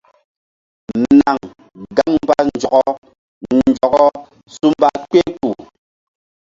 Naŋ gaŋ mba nzɔkɔ nzɔkɔ su mba kpehkpuh.